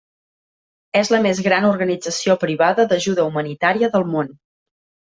És la més gran organització privada d'ajuda humanitària del món.